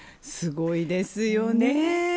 すごいですよね。